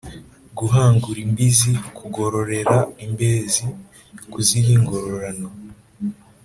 guhangura imbizi: kugororera imbezi, kuziha ingororano